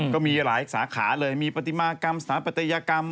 ก็มีหลายสาขาเลยมีปฏิมากรรมสถาปัตยกรรม